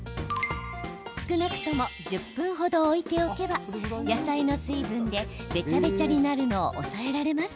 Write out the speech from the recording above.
少なくとも１０分程置いておけば、野菜の水分でべちゃべちゃになるのを抑えられます。